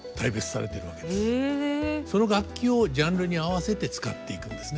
その楽器をジャンルに合わせて使っていくんですね。